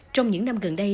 trong những năm gần đây